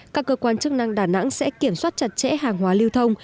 các cơ quan chức năng đà nẵng sẽ kiểm soát chặt chẽ hàng hóa lưu thông